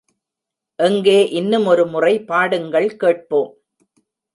எங்கே இன்னுமொருமுறை பாடுங்கள் கேட்போம்!